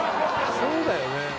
そうだよね。